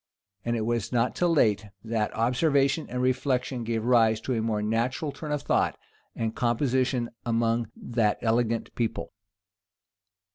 And it was not till late, that observation and reflection gave rise to a more natural turn of thought and composition among that elegant people.